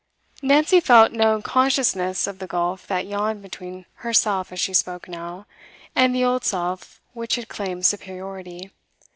Nancy felt no consciousness of the gulf that yawned between herself as she spoke now and the old self which had claimed 'superiority.